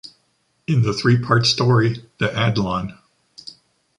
In the three-part story "The Adlon".